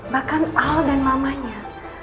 bahkan al dan mamanya